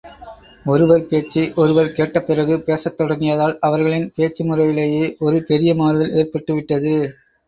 ஒருவர் பேச்சை ஒருவர் கேட்டப்பிறகு பேசத் தொடங்கியதால், அவர்களின் பேச்சு முறையிலேயே ஒரு பெரிய மாறுதல் ஏற்பட்டுவிட்டது.